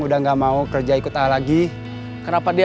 gimana kamu udah tahu yang ini dia